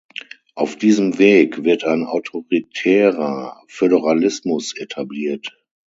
Auf diesem Weg wird ein autoritärer Föderalismus etabliert.